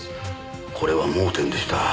これは盲点でした。